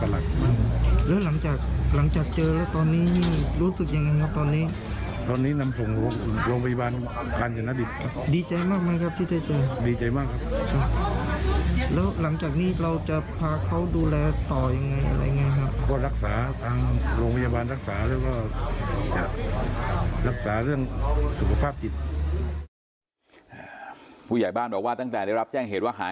แล้วหลังจากนี้เราจะพาเขาดูแลต่อยังไงอะไรยังไงฮะ